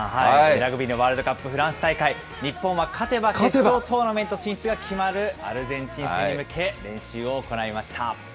ラグビーのワールドカップフランス大会、日本は勝てば決勝トーナメント進出が決まるアルゼンチン戦に向け、練習を行いました。